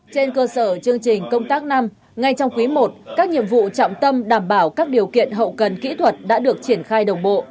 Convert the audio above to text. trên cơ sở chương trình công tác năm ngay trong quý i các nhiệm vụ trọng tâm đảm bảo các điều kiện hậu cần kỹ thuật đã được triển khai đồng bộ